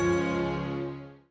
kau kagak ngerti